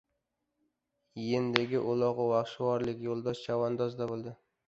Yendigi uloq vaxshivorlik Yo‘ldosh chavandozda bo‘ldi.